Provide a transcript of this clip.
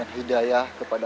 terima kasih ibu bunda